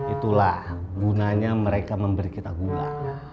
itulah gunanya mereka memberi kita gula